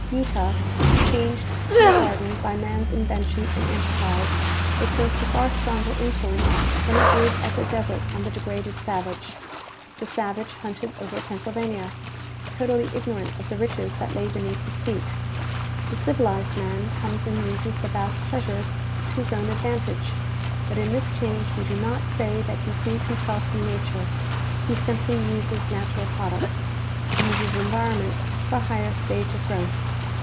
Utah, changed to a garden by man's invention and enterprise, exerts a far stronger influence than it did as a desert on the degraded savage. The savage hunted over Pennsylvania, totally ignorant of the riches that lay beneath his feet ; the civilized man comes and uses the vast treasures to his own advantage ; but in this change we do not say that he frees himself from nature; he simjjly uses natural products — uses environment for a higher stage of growth.